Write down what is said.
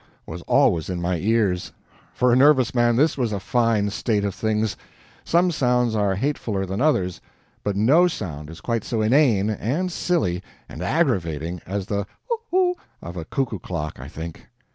was always in my ears. For a nervous man, this was a fine state of things. Some sounds are hatefuler than others, but no sound is quite so inane, and silly, and aggravating as the "HOO'hoo" of a cuckoo clock, I think.